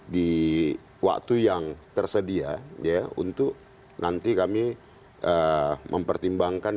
di waktu yang tersedia ya untuk nanti kami mempertimbangkan